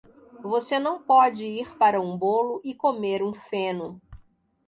Você não pode ir para um bolo e comer um feno.